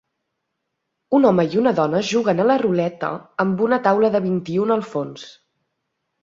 Un home i una dona juguen a la ruleta amb una taula de vint-i-una al fons.